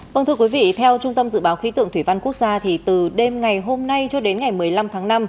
vâng thưa quý vị theo trung tâm dự báo khí tượng thủy văn quốc gia thì từ đêm ngày hôm nay cho đến ngày một mươi năm tháng năm